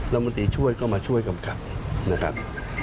รัฐมนตรีช่วยก็มาช่วยกำกับนะครับ